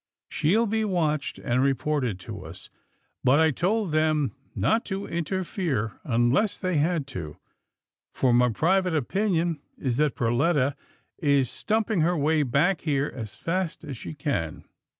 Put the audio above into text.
She'll be watched and reported to us, but I told them not to interfere, unless they had to, for my private opinion is that Perletta is stumping her way back here as fast as she can.